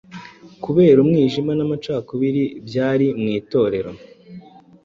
Kubera umwijima n’amacakubiri byari mu Itorero,